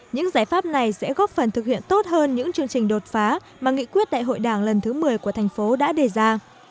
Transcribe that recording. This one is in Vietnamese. những giải pháp này sẽ góp phần thực hiện tốt hơn những chương trình đột phá mà nghị quyết đại hội đảng lần thứ một mươi của thành phố đã đề ra